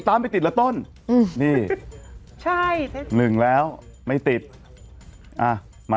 ร้านรูร้านบ้านนะครับ